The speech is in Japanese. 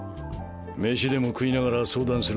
飯でも食いながら相談するか。